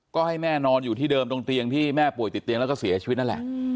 ก็ให้แม่นอนอยู่ที่เดิมตรงเตียงที่แม่ป่วยติดเตียงแล้วก็เสียชีวิตนั่นแหละ